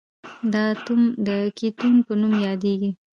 دا اتوم د کتیون په نوم یادیږي.